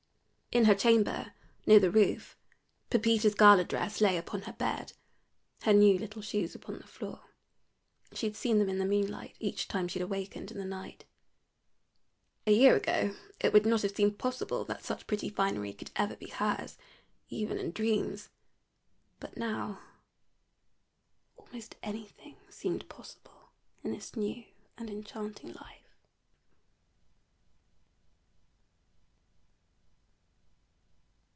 In her chamber, near the roof, Pepita's gala dress lay upon her bed, her new little shoes upon the floor; she had seen them in the moonlight each time she had awakened in the night. A year ago it would not have seemed possible that such pretty finery could ever be hers, even in dreams; but now almost anything seemed possible in this new and enchanting life.